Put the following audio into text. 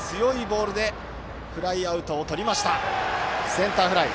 センターフライ。